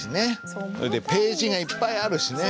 それでページがいっぱいあるしね。